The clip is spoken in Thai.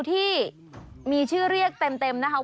ที่มีชื่อเรียกเต็มนะคะ